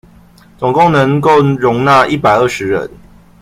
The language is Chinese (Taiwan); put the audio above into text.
總共能夠容納一百二十人